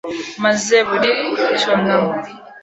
Maze buri cyunamo